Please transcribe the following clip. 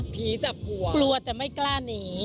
ผีจับหัวกลัวแต่ไม่กล้านี